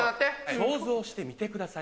想像してみてください